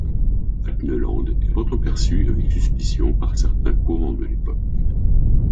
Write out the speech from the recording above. Altneuland est pourtant perçu avec suspicion par certains courants de l'époque.